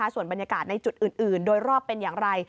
ส่วนบรรยากาศในจุดอื่นโดยรอบเป็นอย่างไร